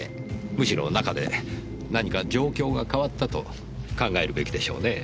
むしろ中で何か状況が変わったと考えるべきでしょうねえ。